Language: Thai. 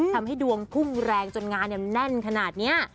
ทำให้ดวงพุ่งแรงจนงานแน่นขนาดนี้